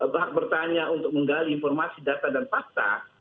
bahak bertanya untuk menggali informasi data dan pasta